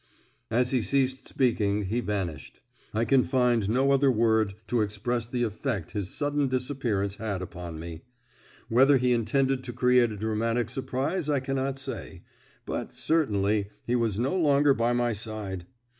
As he ceased speaking he vanished; I can find no other word to express the effect his sudden disappearance had upon me. Whether he intended to create a dramatic surprise I cannot say, but, certainly, he was no longer by my side.